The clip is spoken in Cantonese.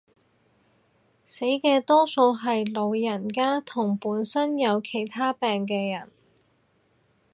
死嘅多數係老人家同本身有其他病嘅人